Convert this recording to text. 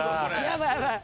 やばいやばい。